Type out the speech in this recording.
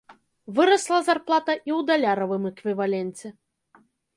Вырасла зарплата і ў даляравым эквіваленце.